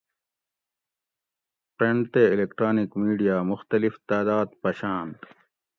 پرنٹ تے الیکٹرانِک میڈیا مختلف تعداۤد پشاۤنت